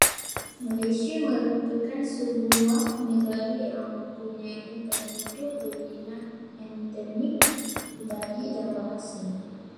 Malaysia merupakan sebuah negara yang mempunyai penduduk berbilang etnik, budaya dan bahasa